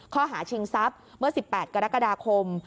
ข้อหาชิงทรัพย์เมื่อ๑๘กรกฎาคม